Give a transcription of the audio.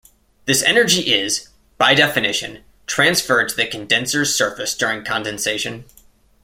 This energy is, by definition, transferred to the condenser's surface during condensation.